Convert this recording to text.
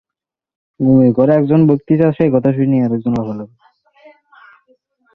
যখনই– পরেশ।